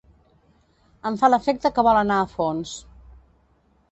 Em fa l'efecte que vol anar a fons.